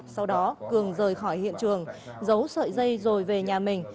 sau đó cường rời khỏi hiện trường giấu sợi dây rồi về nhà mình